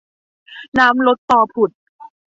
น้ำลดตอผุด